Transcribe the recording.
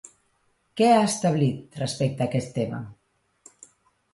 Què ha establit respecte a aquest tema?